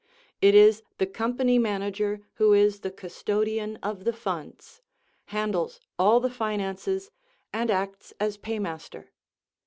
It is the Company Manager who is the custodian of the funds, handles all the finances and acts as paymaster.